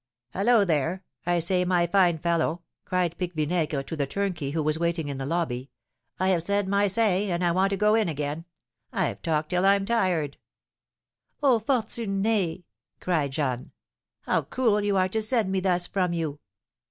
"Hallo, here! I say, my fine fellow," cried Pique Vinaigre to the turnkey, who was waiting in the lobby, "I have said my say, and I want to go in again. I've talked till I'm tired." "Oh, Fortuné," cried Jeanne, "how cruel you are to send me thus from you!"